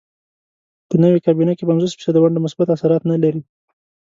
په نوې کابینې کې پنځوس فیصده ونډه مثبت اثرات نه لري.